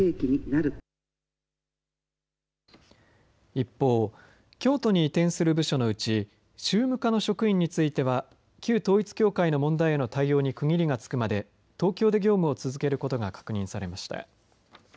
一方、京都に移転する部署のうち宗務課の職員については旧統一教会への問題の対応に区切りがつくまで東京で業務を続けることが確認されました。